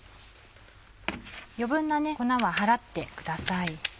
余分な粉は払ってください。